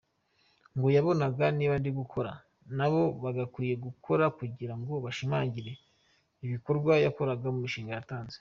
Ngo yabonaga ‘niba ndigukora nabo bagakwiye gukora’ kugirango bashimangira ibikorwa yakoraga mu mushinga yatanze.